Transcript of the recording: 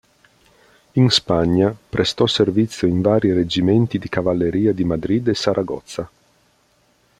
In Spagna prestò servizio in vari reggimenti di cavalleria di Madrid e Saragozza.